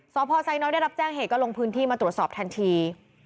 สพไซน้อยได้รับแจ้งเหตุก็ลงพื้นที่มาตรวจสอบทันที